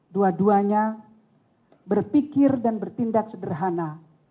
dua duanya berpikir dan bertindak sederhana